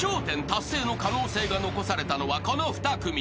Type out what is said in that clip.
１０達成の可能性が残されたのはこの２組］